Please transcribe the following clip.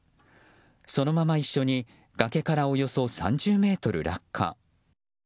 そのまま一緒に崖からおよそ３０ｍ落下。